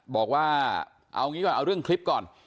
บอกว่าเอาเรื่องคลิปก่อน